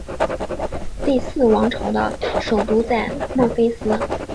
第四王朝的首都在孟菲斯。